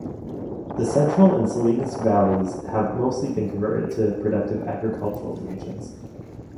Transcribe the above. The Central and Salinas valleys have mostly been converted to productive agricultural regions.